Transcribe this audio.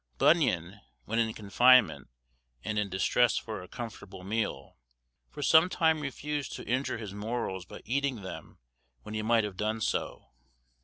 Bunyan, when in confinement and in distress for a comfortable meal, for some time refused to injure his morals by eating them when he might have done so.